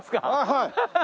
はい。